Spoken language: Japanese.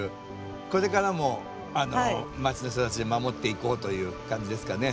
これからも町の人たちで守っていこうという感じですかね。